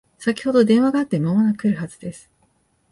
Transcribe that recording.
先ほど電話があって間もなく来るはずです